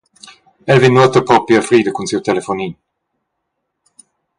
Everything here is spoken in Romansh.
Ella vegn nuota propi a frida cun siu telefonin.